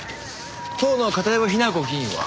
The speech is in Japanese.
当の片山雛子議員は？